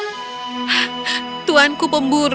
pemburu itu benar